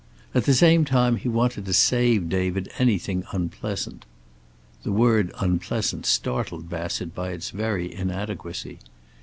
At the same time he wanted to save David anything unpleasant. (The word "unpleasant" startled Bassett, by its very inadequacy.)